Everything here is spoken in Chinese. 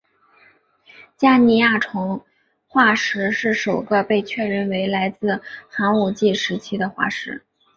加尼亚虫化石是首个被确认为来自前寒武纪时期的化石。